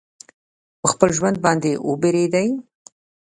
پر خپل ژوند باندي وبېرېدی.